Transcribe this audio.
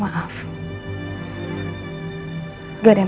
mama sudah senang